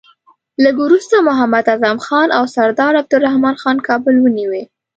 لږ وروسته محمد اعظم خان او سردار عبدالرحمن خان کابل ونیوی.